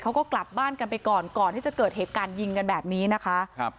เขาก็กลับบ้านกันไปก่อนก่อนที่จะเกิดเหตุการณ์ยิงกันแบบนี้นะคะครับ